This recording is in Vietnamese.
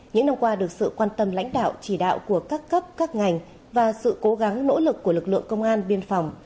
những năm qua được sự quan tâm lãnh đạo chỉ đạo của các cấp các ngành và sự cố gắng nỗ lực của lực lượng công an biên phòng